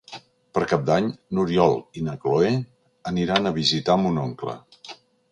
Per Cap d'Any n'Oriol i na Cloè aniran a visitar mon oncle.